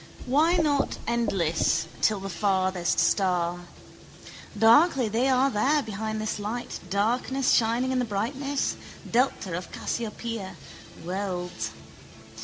Why not endless till the farthest star? Darkly they are there behind this light, darkness shining in the brightness, delta of Cassiopeia, worlds.